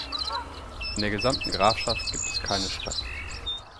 In der gesamten Grafschaft gibt es keine Stadt.